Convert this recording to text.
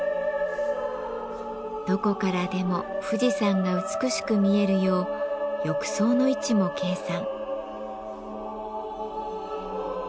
どこからでも富士山が美しく見えるよう浴槽の位置も計算。